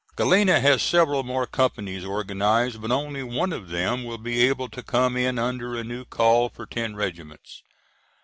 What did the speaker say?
Galena has several more companies organized but only one of them will be able to come in under a new call for ten regiments.